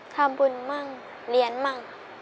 ทำบุญมั่งเรียนมั่ง